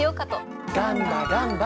ガンバガンバ！